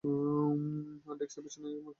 আর ডেস্কের পিছনের এই মুর্খ সিট ক্যান্সেল করেছিলো।